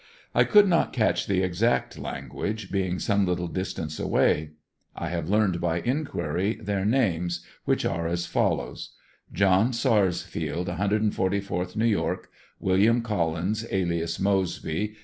I could not catch the exact language, being some little distance away I have learned by enquiry, their names, which are as follows: John Sarsfield, J 44th New York; William Collins, alias "Moseby," Co.